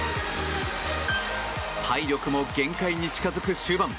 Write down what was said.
体力も限界に近づく終盤。